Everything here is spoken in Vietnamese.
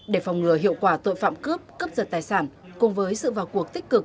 để phòng ngừa hiệu quả tội phạm cướp cấp dật tài sản cùng với sự vào cuộc tích cực